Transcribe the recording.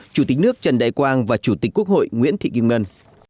chủ tịch nước trần đại quang và chủ tịch quốc hội nguyễn thị kim ngân